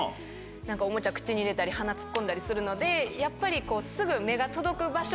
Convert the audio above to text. おもちゃ口に入れたり鼻突っ込んだりするのでやっぱりすぐ。